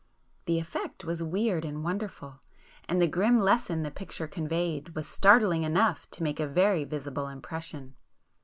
The effect was weird and wonderful,—and the grim lesson the picture conveyed, [p 275] was startling enough to make a very visible impression.